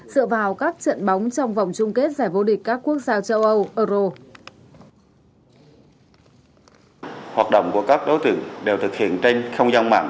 dựa vào các trận bóng trong vòng chung kết giải vô địch các quốc gia châu âu euro